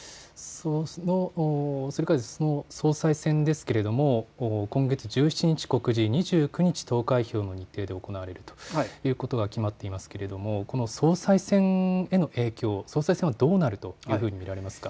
総裁選ですけれども今月１７日告示、２９日投開票の日程で行われるということが決まっていますけれども総裁選への影響、総裁選はどうなるというふうに見られますか。